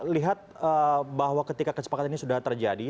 lihat bahwa ketika kesepakatan ini sudah terjadi